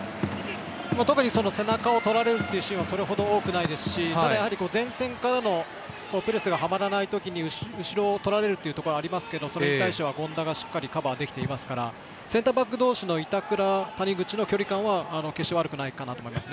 特に背中をとられるシーンはそれほど多くないですし前線からのプレスがはまらないときに後ろを取られるというのがありますけどそれに対しては、権田がしっかりカバーできていますからセンターバック同士の距離感は決して悪くないかなと思います。